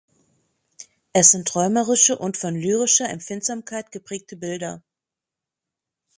Es sind träumerische und von lyrischer Empfindsamkeit geprägte Bilder.